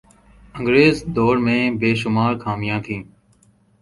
انگریز دور میں بے شمار خامیاں تھیں